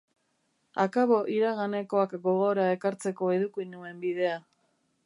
Akabo iraganekoak gogora ekartzeko eduki nuen bidea.